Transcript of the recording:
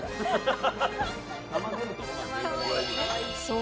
そう！